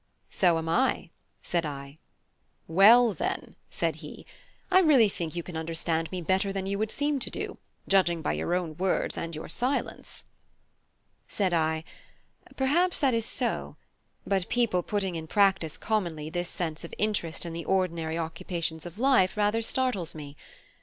"So am I," said I. "Well, then," said he, "I really think you can understand me better than you would seem to do, judging by your words and your silence." Said I: "Perhaps that is so; but people putting in practice commonly this sense of interest in the ordinary occupations of life rather startles me.